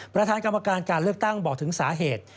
ประธานกรรมการการเลือกตั้งบอกถึงสาเหตุ